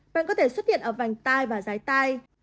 bệnh có thể xuất hiện ở vành tai và rái tai